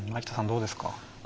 どうですか？